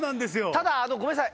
ただごめんなさい。